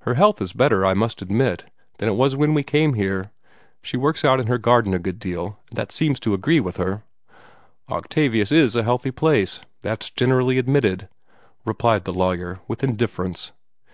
Her health is better, I must admit, than it was when we came here. She works out in her garden a great deal, and that seems to agree with her." "Octavius is a healthy place that's generally admitted," replied the lawyer, with indifference.